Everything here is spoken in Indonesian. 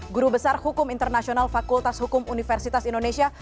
guru besar hukum internasional fakultas hukum universitas indonesia